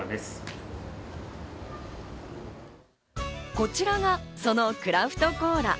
こちらがそのクラフトコーラ。